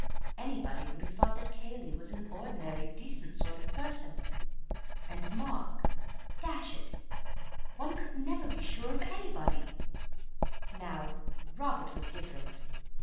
Anybody would have thought that Cayley was an ordinary decent sort of person. And Mark. Dash it! one could never be sure of anybody. Now, Robert was different.